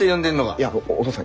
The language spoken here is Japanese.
いやお父さん